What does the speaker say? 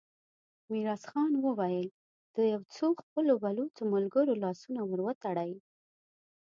ميرويس خان وويل: د يو څو خپلو بلوڅو ملګرو لاسونه ور وتړئ!